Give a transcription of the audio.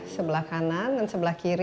sebelah kanan dan sebelah kiri